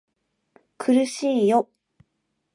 苦しいよ